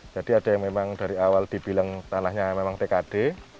jadi ada yang memang dari awal dibilang tanahnya memang tkd